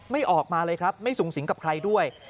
ไม่ออกมาเลยครับไม่สูงสิงกับใครด้วย